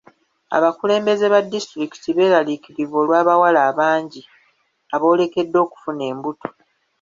Abakulembeze ba disitulikiti beeraliikirivu olw'abawala abangi aboolekedde okufuna embuto.